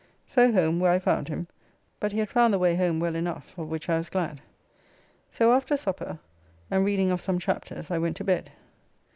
So home, where I found him, but he had found the way home well enough, of which I was glad. So after supper, and reading of some chapters, I went to bed.